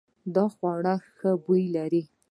دا خوړو ښه بوی لري.